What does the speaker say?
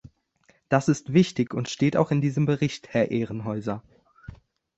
Das ist wichtig und steht auch in diesem Bericht, Herr Ehrenhäuser.